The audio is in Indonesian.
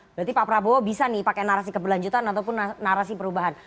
berarti pak prabowo bisa nih pakai narasi keberlanjutan ataupun narasi perubahan